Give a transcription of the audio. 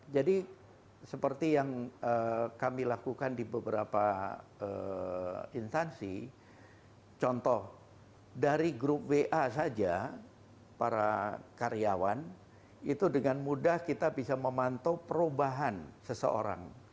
jadi seperti yang kami lakukan di beberapa instansi contoh dari grup wa saja para karyawan itu dengan mudah kita bisa memantau perubahan seseorang